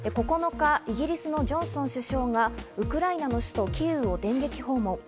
９日、イギリスのジョンソン首相がウクライナの首都キーウを電撃訪問。